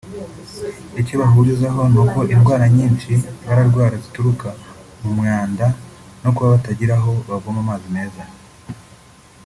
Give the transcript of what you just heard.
icyo bahurizaho ni uko indwra nyinshi barawara zituruka ku mwanda no kuba batagira aho bavoma amazi meza